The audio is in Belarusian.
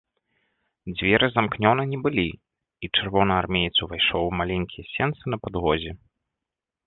Дзверы замкнёны не былі, і чырвонаармеец увайшоў у маленькія сенцы на падлозе.